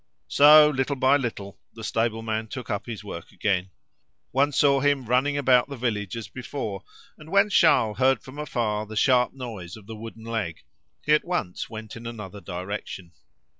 So little by little the stable man took up his work again. One saw him running about the village as before, and when Charles heard from afar the sharp noise of the wooden leg, he at once went in another direction.